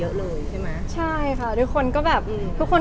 หรือว่าช่วยเรายังไงบ้างค่ะ